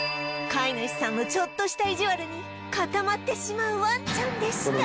飼い主さんのちょっとした意地悪に固まってしまうワンちゃんでした